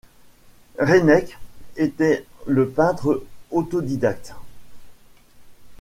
Reynek était le peintre autodidacte.